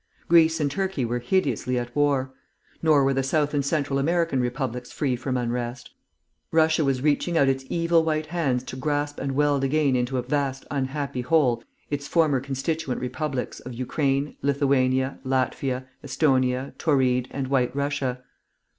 Greece and Turkey were hideously at war. Nor were the South and Central American republics free from unrest. Russia was reaching out its evil White hands to grasp and weld again into a vast unhappy whole its former constituent republics of Ukraine, Lithuania, Latvia, Esthonia, Tauride, and White Russia.